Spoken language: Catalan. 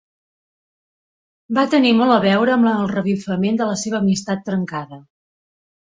Va tenir molt a veure amb el revifament de la seva amistat trencada.